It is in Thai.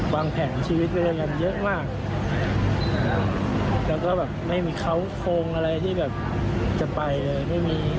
แล้วก็ไม่มีเค้าโครงอะไรที่จะไปเลย